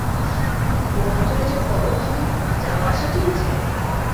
ও অঞ্চলে যে বড়ো ঘন ঘন যাওয়া-আসা চলছে!